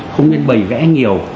không nên bày vẽ nhiều